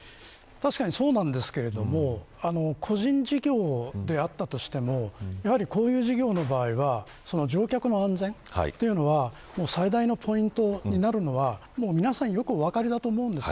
確かにそうなんですけれど個人事業であったとしてもやはり、こういう事業の場合は乗客の安全というのは最大のポイントになるのは皆さんよくお分かりだと思うんです。